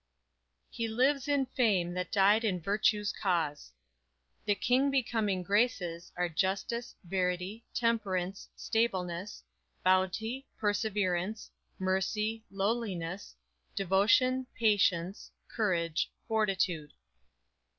"He lives in fame that died in virtue's cause." _"The king becoming graces Are justice, verity, temperance, stableness, Bounty, perseverance, mercy, lowliness, Devotion, patience, courage, fortitude."